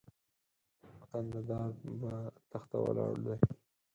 وطن د دار بۀ تخته ولاړ دی